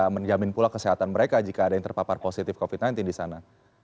menjamin pula kesehatan mereka jika ada yang terpapar positif covid sembilan belas di sana